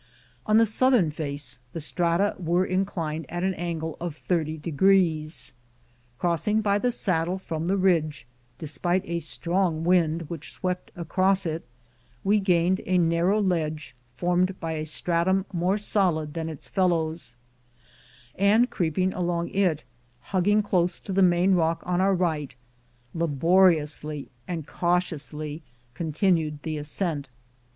On the southern face the strata were inclined at an angle of thirty degrees. Crossing by the saddle from the ridge, despite a strong wind which swept across it, we gaineda narrow ledge formed by a stratum more solid than its fellows, and creeping along it, hug ging close to the main rock on our right, laboriously and cautiously continued the ascent.